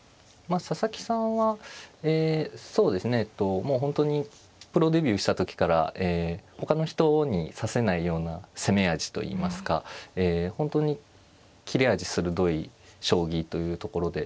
もう本当にプロデビューした時からほかの人に指せないような攻め味といいますか本当に切れ味鋭い将棋というところで。